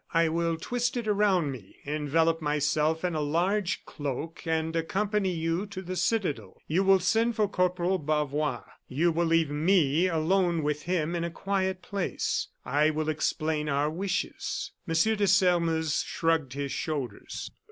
I will twist it around me, envelop myself in a large cloak, and accompany you to the citadel. You will send for Corporal Bavois; you will leave me alone with him in a quiet place; I will explain our wishes." M. de Sairmeuse shrugged his shoulders.